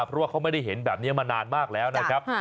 เพราะว่าเขาไม่ได้เห็นแบบนี้มานานมากแล้วนะครับ